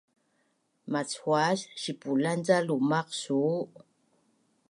Machuas sipulan ca lumaq suu?